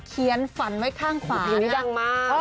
เขียนฝันไว้ข้างขวานะครับอุ้ยอยู่นี้ดังมาก